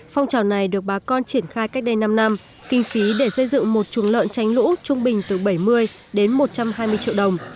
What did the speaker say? phong trào này được bà con triển khai cách đây năm năm kinh phí để xây dựng một chuồng lợn tránh lũ trung bình từ bảy mươi đến một trăm hai mươi triệu đồng